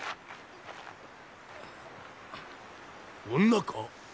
女か？